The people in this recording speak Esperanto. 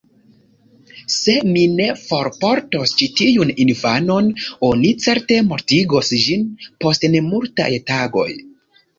"Se mi ne forportos ĉi tiun infanon, oni certe mortigos ĝin post nemultaj tagoj.